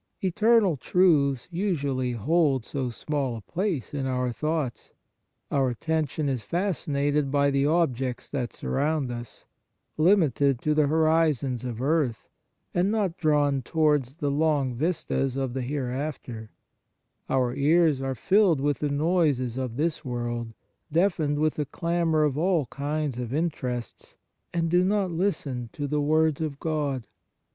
Eternal truths usually hold so small a place in our thoughts ! Our attention is fascinated by the objects that surround us, limited to the horizons of earth, and not drawn towards the long vistas of the here after; our ears are filled with the noises of this world, deafened with the clamour of all kinds of interests, and do not listen to the words of God.